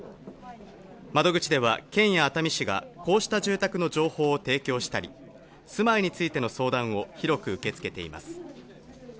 窓口では県や熱海市がこうした住宅の情報を提供したり、住まいについての相談を広く受け付けています。